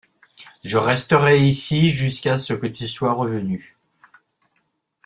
Je resterai ici jusqu’à ce que tu sois revenu.